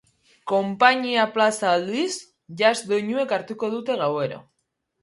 Konpainia plaza, aldiz, jazz doinuek hartuko dute gauero.